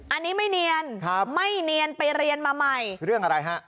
อันนี้ไม่เนียนครับไม่เนียนไปเรียนมาใหม่เรื่องอะไรฮะ